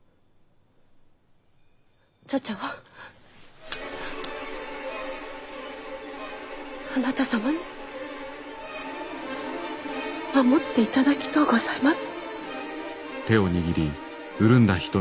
茶々はあなた様に守っていただきとうございます。